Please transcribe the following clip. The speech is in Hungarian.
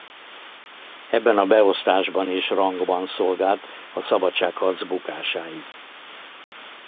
Ebben a beosztásban és rangban szolgált a szabadságharc bukásáig.